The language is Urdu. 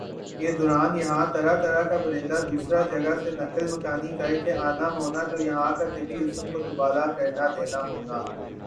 یِہ دوران یَہاں طرح طرح کا پرندہ دُوسْرا جگہ سے نقل مکانی کرکہ آنا ہونا جو یَہاں کا طبعی حسن کو دوبالا کرنا دینا ہونا